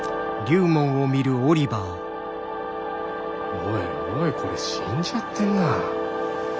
おいおいこれ死んじゃってんな。